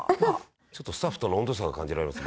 ちょっとスタッフとの温度差が感じられます。